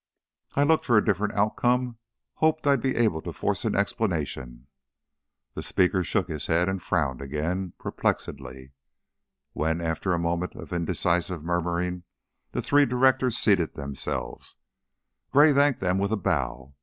I looked for a different outcome hoped I'd be able to force an explanation " The speaker shook his head and frowned again, perplexedly. When, after a moment of indecisive murmuring, the three directors seated themselves, Gray thanked them with a bow.